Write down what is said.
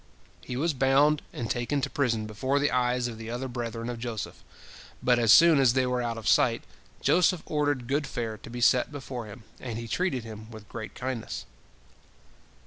" He was bound and taken to prison before the eyes of the other brethren of Joseph, but as soon as they were out of sight, Joseph ordered good fare to be set before him, and he treated him with great kindness.